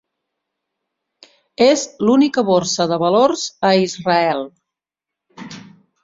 És l'única borsa de valors a Israel.